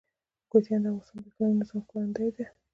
کوچیان د افغانستان د اقلیمي نظام ښکارندوی ده.